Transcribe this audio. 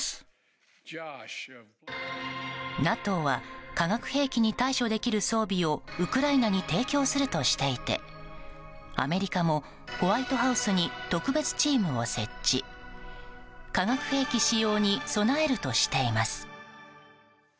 ＮＡＴＯは化学兵器に対処できる装備をウクライナに提供するとしていてアメリカもホワイトハウスに特別チームを設置化学兵器使用に備えるとしています。